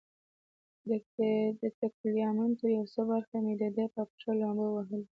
د تګلیامنتو یو څه برخه مې د ده په پښه لامبو وهلې وه.